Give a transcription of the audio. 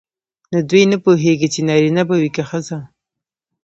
نو دوی نه پوهیږي چې نارینه به وي که ښځه.